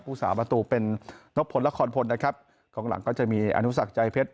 สาประตูเป็นนบพลละครพลนะครับของหลังก็จะมีอนุสักใจเพชร